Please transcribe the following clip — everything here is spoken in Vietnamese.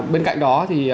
bên cạnh đó thì